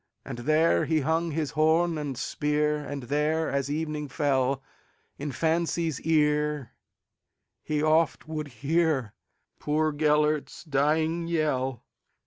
And there he hung his horn and spear, And there, as evening fell, In fancy's ear he oft would hearPoor Gêlert's dying yell.